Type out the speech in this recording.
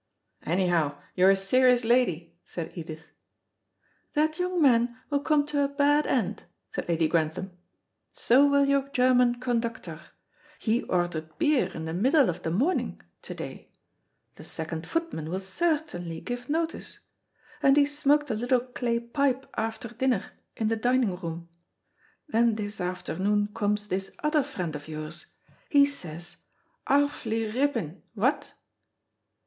"Anyhow, you're a serious lady," said Edith. "That young man will come to a bad end," said Lady Grantham; "so will your German conductor. He ordered beer in the middle of the morning, to day the second footman will certainly give notice and he smoked a little clay pipe after dinner in the dining room. Then this afternoon comes this other friend of yours. He says, 'Arfly rippin' what.'"